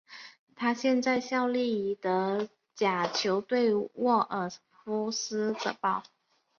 他现在效力于德甲球队沃尔夫斯堡。